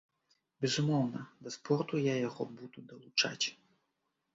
Безумоўна, да спорту я яго буду далучаць.